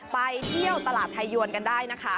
ไปเที่ยวตลาดไทยยวนกันได้นะคะ